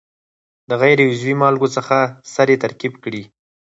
د غیر عضوي مالګو څخه سرې ترکیب کړي.